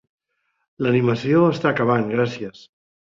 L'animació està acabant, gràcies.